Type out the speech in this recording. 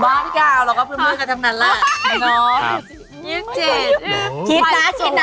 พี่กาวเราก็เพื่อนกันทั้งนั้นแหละ